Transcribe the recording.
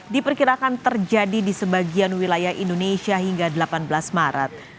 diperkirakan terjadi di sebagian wilayah indonesia hingga delapan belas maret